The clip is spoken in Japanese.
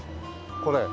これ。